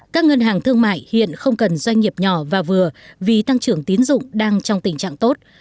các ngân hàng thương mại hiện không cần doanh nghiệp nhỏ và vừa vì tăng trưởng tiến dụng đang trong tình trạng tốt